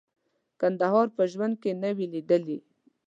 کندهار په ژوند کې نه وې لیدلي.